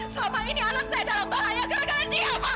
selama ini anak saya dalam bahaya gerakan dia pak